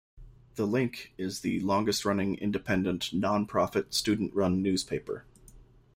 "The Link" is the longest-running independent, non-profit, student-run newspaper.